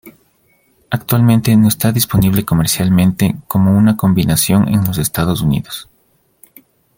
Actualmente no está disponible comercialmente como una combinación en los Estados Unidos.